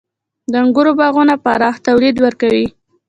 • د انګورو باغونه پراخ تولید ورکوي.